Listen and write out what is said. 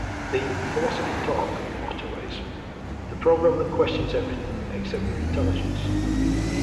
The "Philosophy Talk" motto is, "the program that questions everything, except your intelligence."